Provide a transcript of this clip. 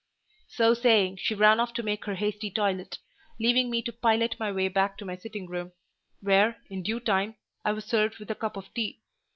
So saying, she ran off to make her hasty toilet, leaving me to pilot my way back to my sitting room, where, in due time, I was served with a cup of tea.